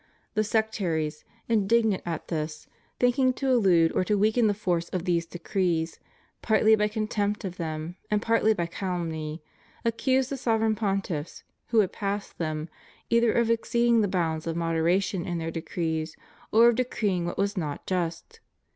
The sectaries, indignant at this, thinking to elude or to weaken the force of these decrees, partly by contempt of them, and partly by calumny, accused the Sovereign Pontiffs who had passed them either of exceeding the bounds of moderation in their decrees or of decreeing what was not just.